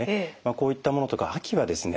こういったものとか秋はですね